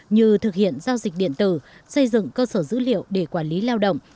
như thực hiện giao dịch điện tử xây dựng cơ sở dữ liệu để quản lý lao động